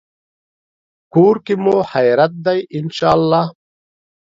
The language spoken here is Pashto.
کور کې مو خیریت دی، ان شاءالله